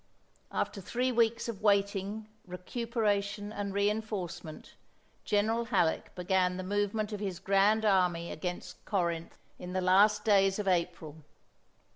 After three weeks of waiting, recuperation, and reinforcement, General Halleck began the movement of his grand army against Corinth in the last days of April.